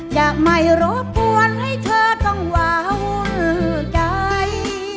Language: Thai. อยากไม่รบปวนให้เธอต้องหว่าวุ่นใจ